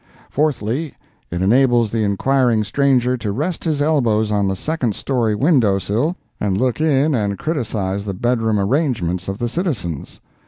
Fourthly—It enables the inquiring stranger to rest his elbows on the second story window sill and look in and criticize the bedroom arrangements of the citizens.